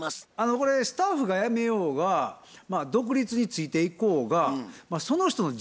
これスタッフが辞めようが独立についていこうがその人の自由やと思うんですよ。